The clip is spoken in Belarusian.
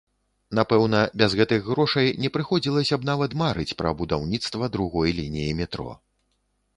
Напэўна, без гэтых грошай не прыходзілася б нават марыць пра будаўніцтва другой лініі метро.